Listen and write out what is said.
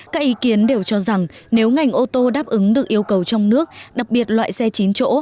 các ý kiến đều cho rằng nếu ngành ô tô đáp ứng được yêu cầu trong nước đặc biệt loại xe chín chỗ